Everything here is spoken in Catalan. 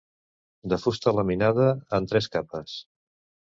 De fusta laminada en tres capes.